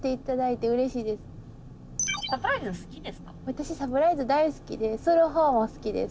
私サプライズ大好きでする方も好きです